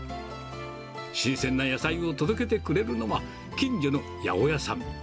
新鮮な野菜を届けてくれるのは、近所の八百屋さん。